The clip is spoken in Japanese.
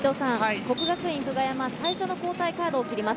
國學院久我山、最初の交代カードを切ります。